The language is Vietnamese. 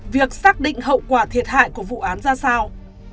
việc xác định hậu quả thiệt hại của vụ án ra sao